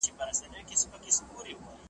شمعي ته به نه وایو لمبه به سو بورا به سو .